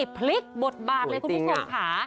พลิกบทบาทเลยคุณผู้ชมค่ะ